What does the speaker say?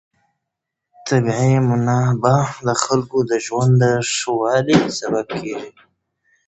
طبیعي منابع د خلکو د ژوند د ښه والي سبب کېږي.